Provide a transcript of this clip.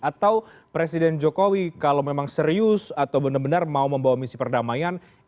atau presiden jokowi kalau memang serius atau benar benar mau membawa misi perdamaian